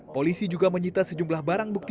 polisi juga menyita sejumlah barang bukti